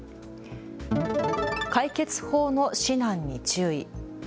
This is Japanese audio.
解決法の指南に注意。